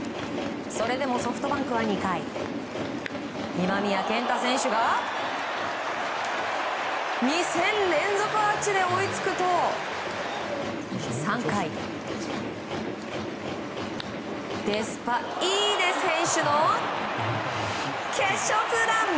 それでも、ソフトバンクは２回今宮健太選手が２戦連続アーチで追いつくと３回、デスパイネ選手の決勝ツーラン！